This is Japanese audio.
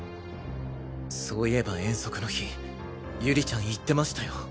そういえば遠足の日有里ちゃん言ってましたよ。